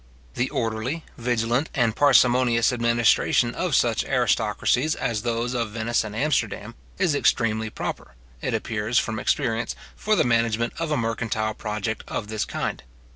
The orderly, vigilant, and parsimonious administration of such aristocracies as those of Venice and Amsterdam, is extremely proper, it appears from experience, for the management of a mercantile project of this kind.